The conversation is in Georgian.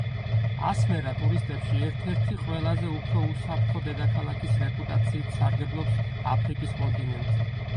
ასმერა ტურისტებში ერთ-ერთი ყველაზე უფრო უსაფრთხო დედაქალაქის რეპუტაციით სარგებლობს აფრიკის კონტინენტზე.